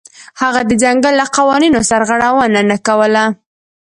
هغه د ځنګل له قوانینو سرغړونه نه کوله.